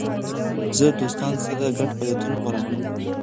زه د دوستانو سره ګډ فعالیتونه غوره ګڼم.